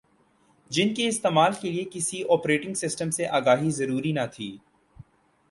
جن کے استعمال کے لئے کسی اوپریٹنگ سسٹم سے آگاہی ضروری نہ تھی